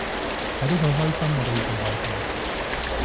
睇到佢開心我都已經開心